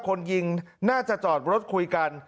คนยิงน่าจะจอดรถคุยกัน